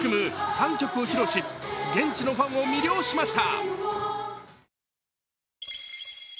３曲を披露し、現地のファンを魅了しました。